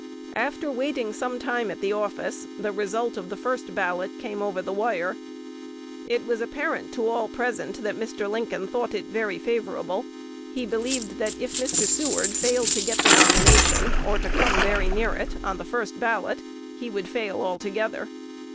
After waiting some time at the office, the result of the first ballot came over the wire. It was apparent to all present that Mr. Lincoln thought it very favorable. He believed that if Mr. Seward failed to get the nomination, or to "come very near it," on the first ballot, he would fail altogether.